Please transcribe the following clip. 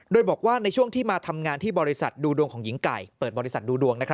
โดยบอกว่าในช่วงที่มาทำงานที่บริษัทดูดวงของหญิงไก่